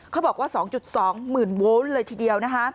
เขาบอกว่า๒๒หมื่นโวลต์เลยทีเดียว